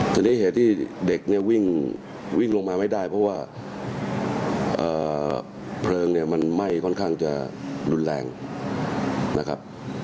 ทีนี้เหตุที่เด็กเนี่ยวิ่งลงมาไม่ได้เพราะว่าเพลิงเนี่ยมันไหม้ค่อนข้างจะรุนแรงนะครับ